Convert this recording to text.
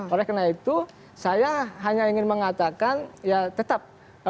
oleh karena itu saya hanya ingin mengatakan ya tetap